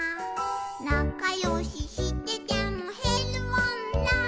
「なかよししててもへるもんな」